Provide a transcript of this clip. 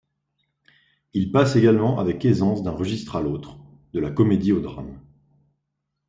Il passe également avec aisance d'un registre à l'autre, de la comédie au drame.